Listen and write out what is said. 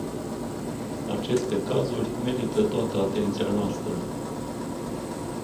Aceste cazuri merită toată atenția noastră.